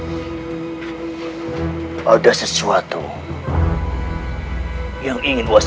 akan diserang ataupun sangatuhai penyebabnya